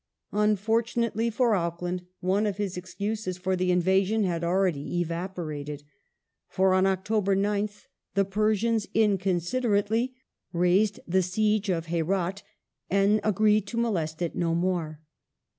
Unfortunately for Auckland, one of his excuses for the invasion had already evapor ated, for on October 9th the Persians inconsiderately raised the siege of Herat and agreed to molest it no more.